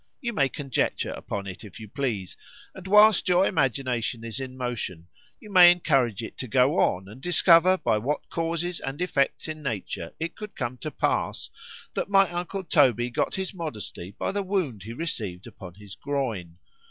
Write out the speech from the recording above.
—You may conjecture upon it, if you please,——and whilst your imagination is in motion, you may encourage it to go on, and discover by what causes and effects in nature it could come to pass, that my uncle Toby got his modesty by the wound he received upon his groin.